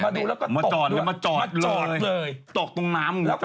มาดูแล้วก็ตกด้วยมาจอดเลยตกตรงน้ำหรือจอดนี้เลย